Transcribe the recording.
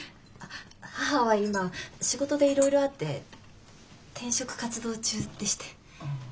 あっ母は今仕事でいろいろあって転職活動中でして。